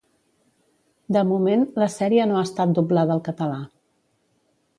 De moment, la sèrie no ha estat doblada al català.